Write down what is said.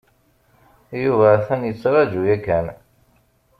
Yuba atan yettraju yakan.